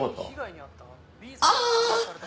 ああ。